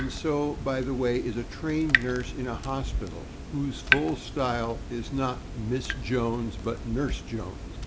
So, by the way, is a trained nurse in a hospital, whose full style is not /Miss Jones/, but /Nurse Jones